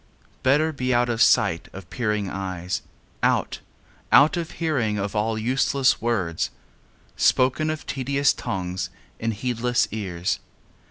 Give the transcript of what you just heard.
Better be out of sight of peering eyes; Out out of hearing of all useless words, Spoken of tedious tongues in heedless ears.